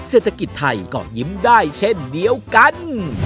เศรษฐกิจไทยก็ยิ้มได้เช่นเดียวกัน